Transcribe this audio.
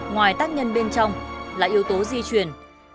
ngoài tác nhân bên trong là yếu tố di chuyển